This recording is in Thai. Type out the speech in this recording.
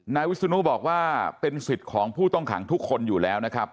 นายวิศนุบอกว่าเป็นสิทธิ์ของผู้ต้องขังทุกคนอยู่แล้วนะครับ